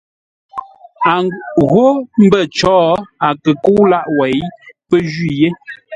A ghó mbə̂ có a kə kə́u lâʼ wêi, pə́ jwî yé.